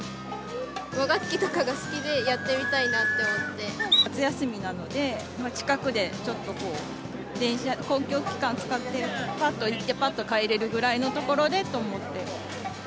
和楽器とかが好きで、やって夏休みなので、近くでちょっと、電車、公共機関使って、ぱっと行ってぱっと帰れるくらいのところでと思って。